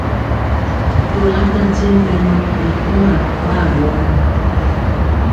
Tolam na nkye mɛnɔ ri nkoŋga ɓa awɔ rɛ.